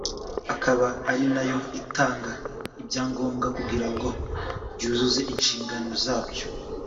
akaba ari nayo itanga ibyangombwa kugira ngo byuzuze inshingano zabyo